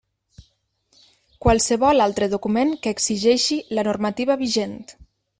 Qualsevol altre document que exigeixi la normativa vigent.